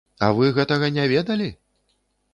А вы гэтага не ведалі?